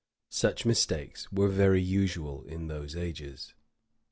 Such mistakes were very usual in those ages.